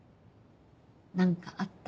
何かあった？